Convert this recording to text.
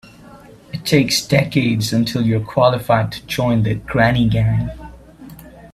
It takes decades until you're qualified to join the granny gang.